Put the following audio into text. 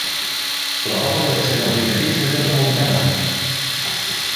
La porta d'accés al primer pis és a tramuntana.